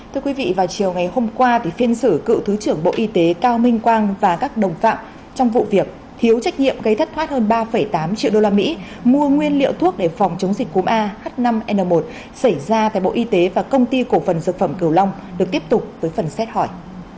thưa quý vị vào chiều ngày hôm qua phiên xử cựu thứ trưởng bộ y tế cao minh quang và các đồng phạm trong vụ việc thiếu trách nhiệm gây thất thoát hơn ba tám triệu usd mua nguyên liệu thuốc để phòng chống dịch cúm ah năm n một xảy ra tại bộ y tế và công ty cổ phần dược phẩm kiều long được tiếp tục với phần xét hỏi